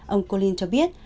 ông collins cho biết